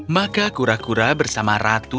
maka kura kura bersama ratu